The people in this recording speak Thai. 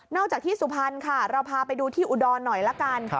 จากที่สุพรรณค่ะเราพาไปดูที่อุดรหน่อยละกัน